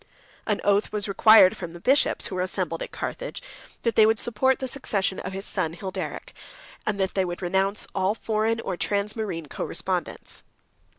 110 An oath was required from the bishops, who were assembled at Carthage, that they would support the succession of his son Hilderic, and that they would renounce all foreign or transmarine correspondence.